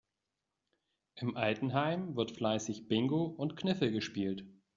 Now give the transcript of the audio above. Im Altenheim wird fleißig Bingo und Kniffel gespielt.